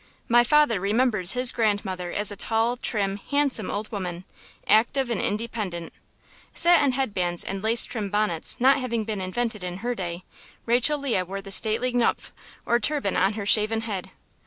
My father remembers his grandmother as a tall, trim, handsome old woman, active and independent. Satin headbands and lace trimmed bonnets not having been invented in her day, Rachel Leah wore the stately knupf or turban on her shaven head.